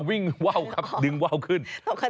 ว่าวครับดึงว่าวขึ้น